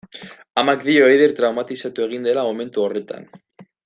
Amak dio Eider traumatizatu egin zela momentu horretan.